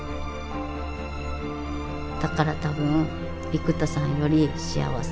だからたぶん生田さんより幸せ。